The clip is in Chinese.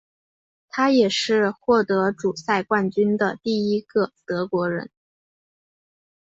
他也是获得主赛冠军的第一个德国人。